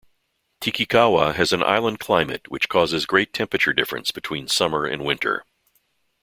Takikawa has an inland climate which causes great temperature difference between summer and winter.